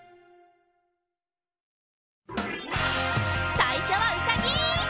さいしょはうさぎ！